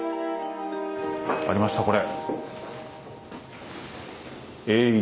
ありましたこれ。